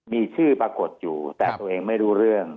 มีชื่อปรากฏอยู่แต่ตัวเองไม่รู้เรื่อง